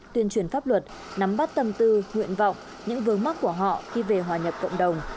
tuyên truyền pháp luật nắm bắt tâm tư nguyện vọng những vướng mắt của họ khi về hòa nhập cộng đồng